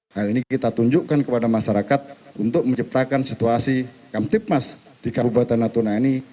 hal ini kita tunjukkan kepada masyarakat untuk menciptakan situasi kamtipmas di kabupaten natuna ini